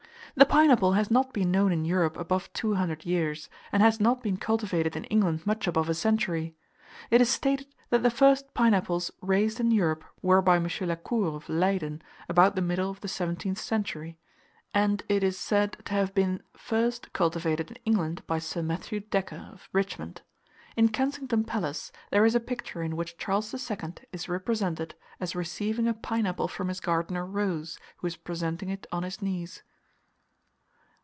The pineapple has not been known in Europe above two hundred years, and has not been cultivated in England much above a century. It is stated that the first pineapples raised in Europe were by M. La Cour, of Leyden, about the middle of the 17th century; and it is said to have been first cultivated in England by Sir Matthew Decker, of Richmond. In Kensington Palace, there is a picture in which Charles II. is represented as receiving a pineapple from his gardener Rose, who is presenting it on his knees.